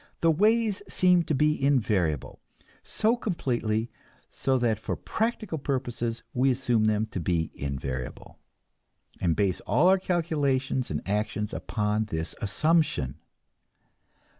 The ways seem to be invariable; so completely so that for practical purposes we assume them to be invariable, and base all our calculations and actions upon this assumption.